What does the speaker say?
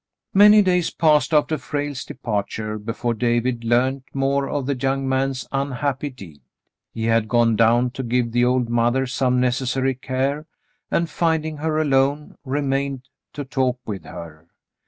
Many days passed after Frale's departure before David learned more of the young man's unhappy deed. He had gone down to give the old mother some necessary care and, 76 David makes a Discovery 77 finding her alone, remained to talk with her.